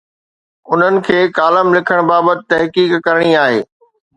انهن کي ڪالم لکڻ بابت تحقيق ڪرڻي آهي.